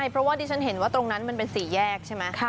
เพราะว่าดิฉันเห็นว่าตรงนั้นมันเป็นสี่แยกใช่ไหม